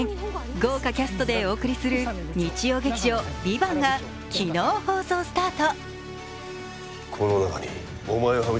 豪華キャストでお送りする日曜劇場「ＶＩＶＡＮＴ」が昨日放送スタート。